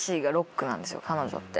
彼女って。